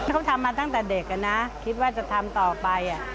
เขาทำมาตั้งแต่เด็กนะคิดว่าจะทำต่อไป